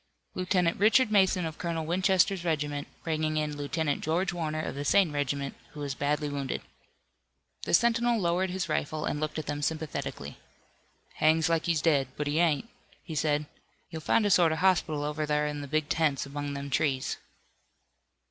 "Lieutenant Richard Mason of Colonel Winchester's regiment, bringing in Lieutenant George Warner of the same regiment, who is badly wounded." The sentinel lowered his rifle and looked at them sympathetically. "Hangs like he's dead, but he ain't," he said. "You'll find a sort of hospital over thar in the big tents among them trees."